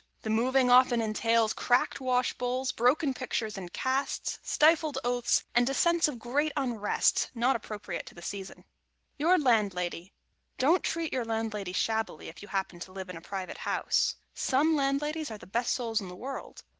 The moving often entails cracked wash bowls, broken pictures and casts, stifled oaths, and a sense of great unrest not appropriate to the season. [Sidenote: YOUR LANDLADY] Don't treat your Landlady shabbily if you happen to live in a private house. Some Landladies are the best souls in the world.